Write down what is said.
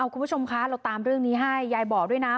คุณผู้ชมคะเราตามเรื่องนี้ให้ยายบอกด้วยนะ